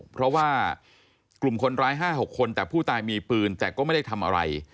เพราะว่ากลุ่มคนร้าย๕๖คนแต่ผู้ตายมีปืนแต่ก็ไม่ได้ทำอะไร